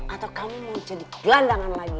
atau kamu mau jadi gelandangan lagi